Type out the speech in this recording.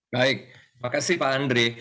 baik terima kasih pak andre